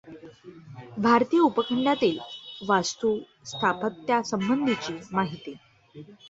भारतीय उपखंडातील वास्तुस्थापत्यासंबंधीची माहिती.